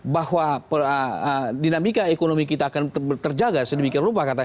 bahwa dinamika ekonomi kita akan terjaga sedemikian rupa